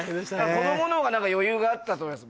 子供のほうが余裕があったと思います。